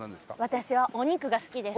私はお肉が好きです！